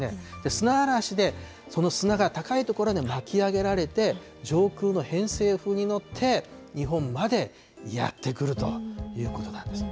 砂嵐でその砂が高い所で巻き上げられて、上空の偏西風に乗って、日本までやって来るということなんです。